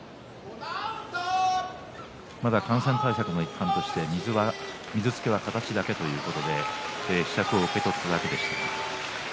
まだ感染対策の一貫として水つけは形だけということでひしゃくを受け取っただけです。